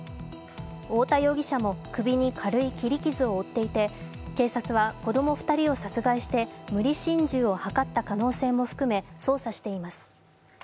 太田容疑者も首に軽い切り傷を負っていて警察は子供２人を殺害して無理心中を図った可能性も含め捜査しています。